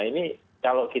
kami melakukan itu karena